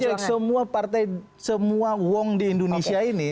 bukan urgent semua partai semua wang di indonesia ini